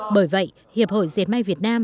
bởi vậy hiệp hội dệt may việt nam